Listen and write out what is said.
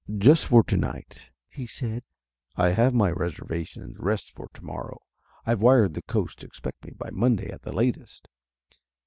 "Just for to night," he said. "I have my reserva tions West for to morrow. I've wired the Coast to expect me by Monday at the latest."